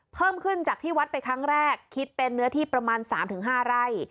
เพิ่มขึ้นจากที่วัดไปครั้งแรกคิดเป็นเนื้อที่ประมาณ๓๕ไร่